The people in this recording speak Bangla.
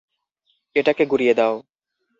এটাকে গুঁড়িয়ে দাও!